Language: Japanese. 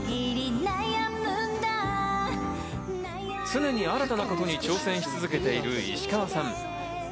常に新たな事に挑戦し続けている石川さん。